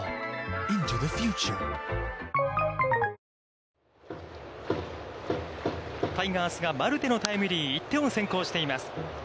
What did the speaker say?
タイガースがマルテのタイムリー、１点を先行しています。